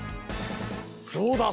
どうだ？